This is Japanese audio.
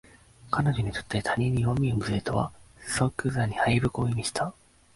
彼女にとって他人に弱みを見せるとは即座に敗北を意味した